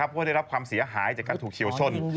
ว่าได้รับความเสียหายจากการถูกเฉียวชน